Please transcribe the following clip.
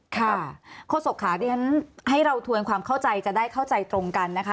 ค่ะโฆษภาคดินให้เราทวนความเข้าใจจะได้เข้าใจตรงกันนะคะ